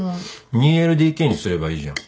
２ＬＤＫにすればいいじゃん。